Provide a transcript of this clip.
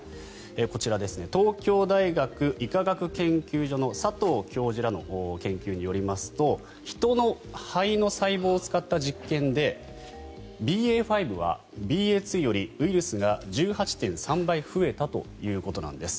こちら、東京大学医科学研究所の佐藤教授らの研究によりますと人の肺の細胞を使った実験でＢＡ．５はＢＡ．２よりウイルスが１８．３倍増えたということなんです。